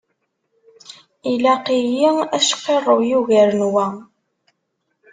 Ilaq-iyi acqirrew yugaren wa.